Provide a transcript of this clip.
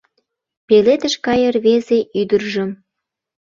Пеледыш гае рвезе ӱдыржым